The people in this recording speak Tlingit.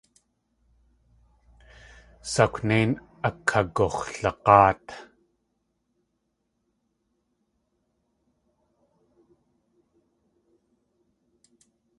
Sakwnéin akagux̲lag̲áat.